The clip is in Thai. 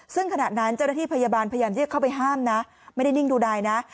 ซึ่งขณะนั้นเจ้าหน้าที่พยาบาลพยายามที่จะเข้าไปห้ามนะไม่ได้นิ่งดูดายนะ